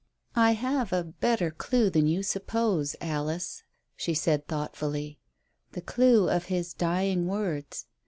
"I have a better clue than you suppose, Alice," she said thoughtfully, "the clue of his dying words.